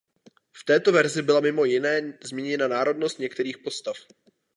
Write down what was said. V této verzi byla mimo jiné změněna národnost některých postav.